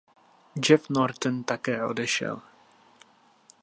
Jeff Norton také odešel.